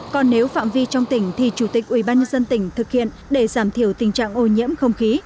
còn nếu phạm vi trong tỉnh thì chủ tịch ubnd tỉnh thực hiện để giảm thiểu tình trạng ô nhiễm không khí